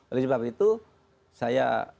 oleh sebab itu saya